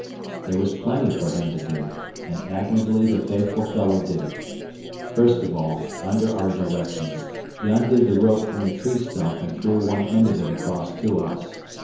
There was plenty for him to do, and admirably the faithful fellow did it. First of all, under our directions, he undid the rope from the tree stump and threw one end of it across to us.